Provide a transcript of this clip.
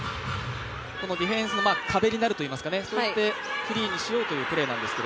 ディフェンスの壁になるといいますか、フリーにしようというプレーなんですが。